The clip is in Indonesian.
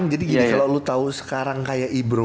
jadi gini kalo lu tau sekarang kayak ibro